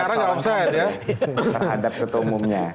terhadap ketua umumnya